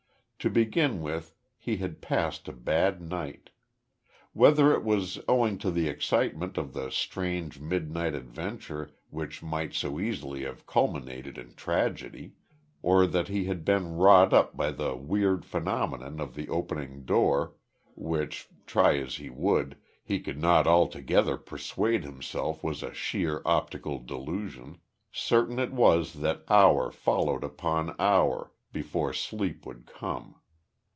To begin with he had passed a bad night. Whether it was owing to the excitement of the strange midnight adventure which might so easily have culminated in tragedy, or that he had been wrought up by the weird phenomenon of the opening door which, try as he would, he could not altogether persuade himself was a sheer optical delusion certain it was that hour followed upon hour before sleep would come.